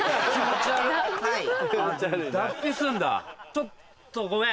ちょっとごめん。